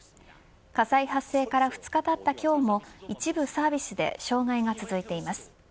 火災発生から２日たった今日も一部サービスで障害が続いています。